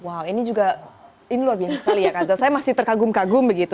wow ini juga ini luar biasa sekali ya kanza saya masih terkagum kagum begitu